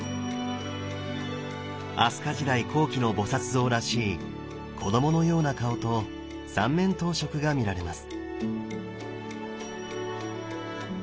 飛鳥時代後期の菩像らしい子どものような顔と三面頭飾が見られます。